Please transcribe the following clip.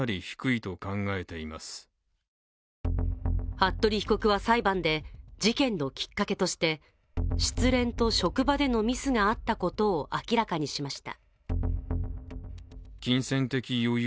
服部被告は裁判で事件のきっかけとして失恋と職場でのミスがあったことを明らかにしました。